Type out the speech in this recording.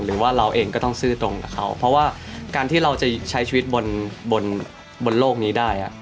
หรือว่าเราเองก็ต้องซื่อตรงกับเขาเพราะว่าการที่เราจะใช้ชีวิตบนโลกนี้ได้